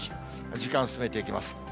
時間進めていきます。